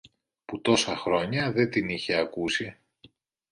που τόσα χρόνια δεν την είχε ακούσει.